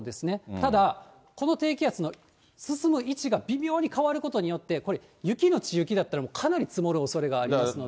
ただ、この低気圧の進む位置が微妙に変わることによって、これ、雪のち雪だったらかなり積もるおそれがありますので。